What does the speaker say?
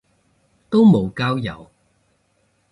都無交友